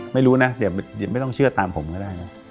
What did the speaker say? ไม่รู้นะเดี๋ยวไม่ต้องเชื่อตามผมก็ได้นะ